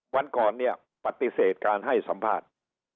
วันก่อนเนี่ยปฏิเสธการให้สัมภาษณ์